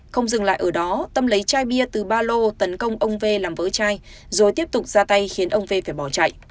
không dừng lại ở đó tâm lấy chai bia từ ba lô tấn công ông v làm vỡ chai rồi tiếp tục ra tay khiến ông v phải bỏ chạy